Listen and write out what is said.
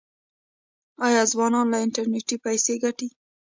آیا ځوانان له انټرنیټ پیسې ګټي؟